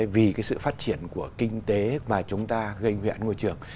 vì cái sự phát triển của kinh tế mà chúng ta gây nguyện môi trường